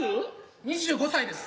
２５歳です。